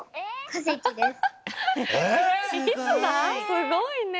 すごいね。